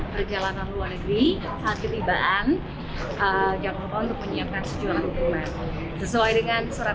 perjalanan luar negeri saat ketibaan jakarta untuk menyiapkan sejumlah hukuman sesuai dengan surat